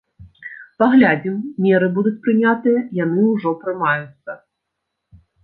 Паглядзім, меры будуць прынятыя, яны ўжо прымаюцца.